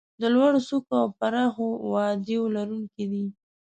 د لوړو څوکو او پراخو وادیو لرونکي دي.